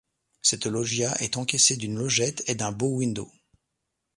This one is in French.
Cette loggia est encadrée d'une logette et d'un bow-window.